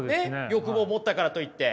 欲望を持ったからといって。